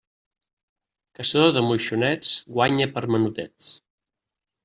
Caçador de moixonets guanya per menudets.